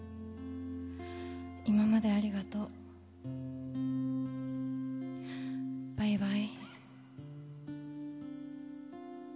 今までありがとう。バイバイ。